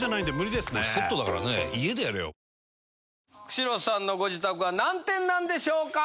久代さんのご自宅は何点なんでしょうか？